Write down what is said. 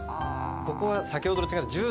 ここは先ほどと違って。